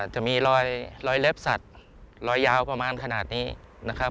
จะมีรอยเล็บสัตว์รอยยาวประมาณขนาดนี้นะครับ